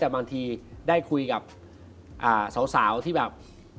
แต่บางทีได้คุยกับสาวที่แบบ